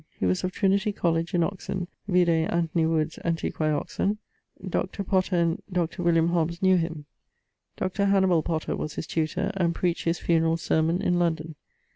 He was of Trinity Colledge in Oxon (vide Anthony Wood's Antiq. Oxon.). Dr. Potter and Dr. Hobbes knew him. Dr. Hannibal Potter was his tutor, and preached his funeral sermon in London.